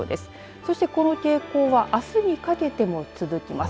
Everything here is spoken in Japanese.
そしてこの傾向はあすにかけても続きます。